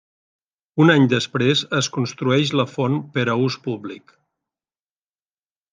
Un any després es construeix la font per a ús públic.